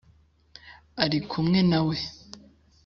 ari kumwe na we?